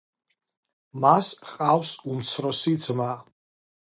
მას ჰყავს უმცროსი ძმა.